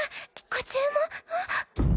ご注もあっ！